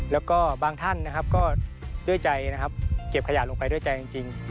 และก็บางท่านก็ด้วยใจเก็บขยะลงไปด้วยใจจริง